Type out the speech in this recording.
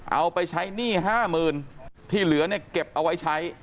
เอาไปใช้หนี้๕๐๐๐ที่เหลือเนี่ยเก็บเอาไว้ใช้